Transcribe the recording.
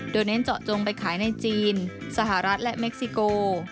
โดยเน้นเจาะจงไปขายในจีนสหรัฐและเม็กซิโก